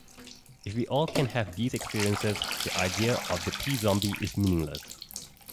If we all can have these experiences the idea of the p-zombie is meaningless.